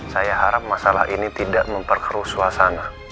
saya harap masalah ini tidak memperkeruh suasana